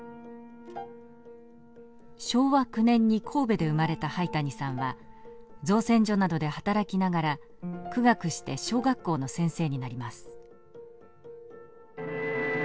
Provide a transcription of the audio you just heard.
昭和９年に神戸で生まれた灰谷さんは造船所などで働きながら苦学して小学校の先生になります。